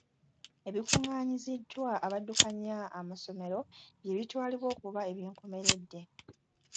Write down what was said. Ebikungaanyiziddwa abaddukanya amasomero by'ebitwalibwa okuba eby'enkomeredde.